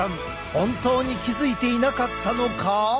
本当に気付いていなかったのか？